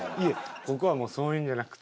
ここはもうそういうんじゃなくて。